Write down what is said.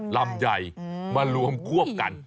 และจดลองอะไร